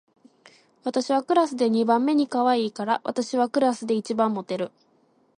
私はクラスで二番目にかわいいから、私はクラスで一番モテる